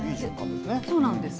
そうなんです。